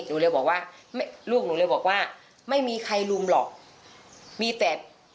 ตอนนั้นหนูอยู่โรงพยาบาลหนูอึ้งไปหมด